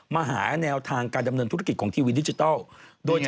มาหาแนวทางการดำเนินธุรกิจของทีวีดิจิทัล